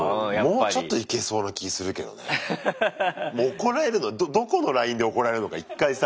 怒られるのどこのラインで怒られるのか一回さ。